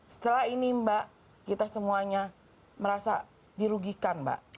setelah ini mbak kita semuanya merasa dirugikan mbak